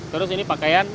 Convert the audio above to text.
terus ini pakaian